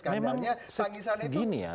memang begini ya